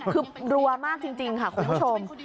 คือรัวมากจริงค่ะคุณผู้ชม